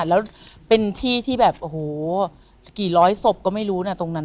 แล้วเป็นที่ที่แบบโอ้โหกี่ร้อยศพก็ไม่รู้นะตรงนั้น